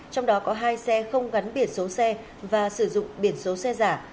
trong đó có hai xe không gắn biển số xe và sử dụng biển số xe giả